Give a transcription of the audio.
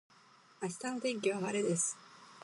明日の天気は晴れです